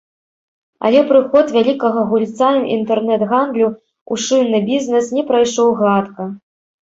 Але прыход вялікага гульца інтэрнэт-гандлю ў шынны бізнэс не прайшоў гладка.